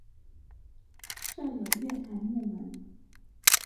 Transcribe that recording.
设有月台幕门。